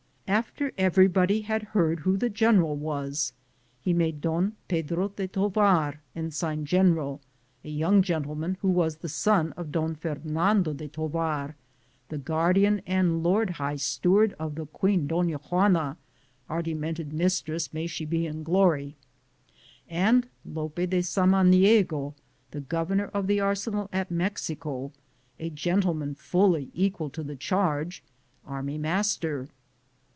After everybody had heard who the general was, he made Don Pedro de Tovar ensign general, a young gen tleman who was the son of Don Fernando de Tovar, the guardian and lord high steward of the Queen Dona Juana, our demented mistress — may she be in glory — and Lope de Samaniego, the governor of the arsenal at Mexico, 1 a gentleman fully equal to the charge, army master.